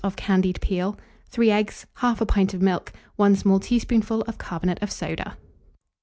of candied peel, 3 eggs, 1/2 pint of milk, 1 small teaspoonful of carbonate of soda.